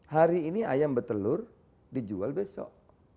hari ini ayam bertelur dijual besok